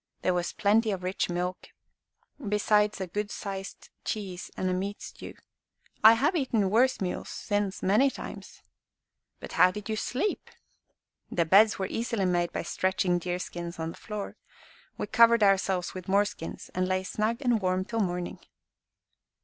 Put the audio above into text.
There was plenty of rich milk, besides a good sized cheese and a meat stew. I have eaten worse meals since, many times." "But how did you sleep?" "The beds were easily made by stretching deer skins on the floor. We covered ourselves with more skins, and lay snug and warm till morning."